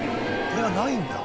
これがないんだ